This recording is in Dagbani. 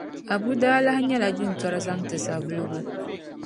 Abu n-daa lahi nyɛla jintori zaŋti Savulugu.